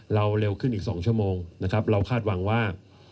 เราเร็วขึ้นอีก๒ชมเราคาดหวังว่า